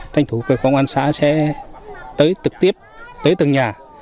thành thủ công an xã sẽ tới tực tiếp tới từng nhà